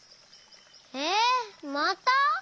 えっまた？